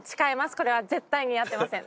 これは絶対にやってません。